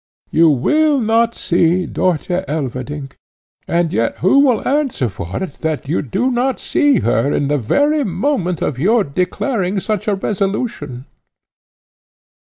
You will not see Dörtje Elverdink, and yet who will answer for it that you do not see her in the very moment of your declaring such a resolution?"